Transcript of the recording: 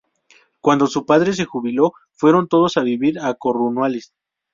Cuando su padre se jubiló fueron todos a vivir a Cornualles.